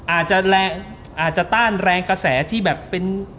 อาจจะอาจจะต้านแรงกระแสที่แบบเป็น